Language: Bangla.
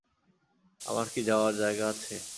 আমার কি যাওয়ার জায়গা আছে?